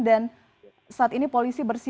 dan saat ini polisi berpengaruh